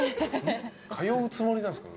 通うつもりなんすか？